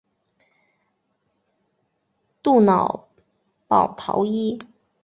杜瑙保陶伊。